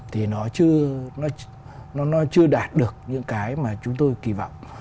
thì nó chưa đạt được những cái mà chúng tôi kỳ vọng